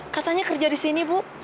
katanya kerja di sini bu